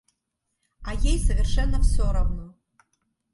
А ей совершенно всё равно.